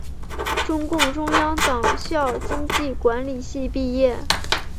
中共中央党校经济管理系毕业。